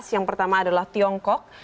yang pertama adalah tiongkok